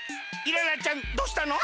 イララちゃんどうしたの？